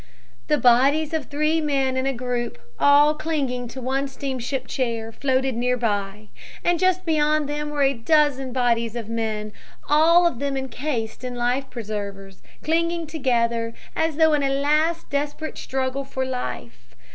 "The bodies of three men in a group, all clinging to one steamship chair, floated near by, and just beyond them were a dozen bodies of men, all of them encased in life preservers, clinging together as though in a last desperate struggle for life.